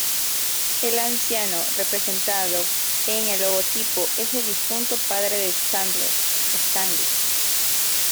El anciano representado en el logotipo es el difunto padre de Sandler, Stanley.